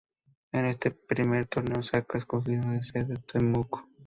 En este primer torneo se ha escogido de sede Temuco.